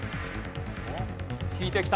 引いてきた。